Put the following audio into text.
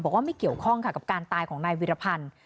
ไม่เกี่ยวข้องค่ะกับการตายของนายวิรพันธ์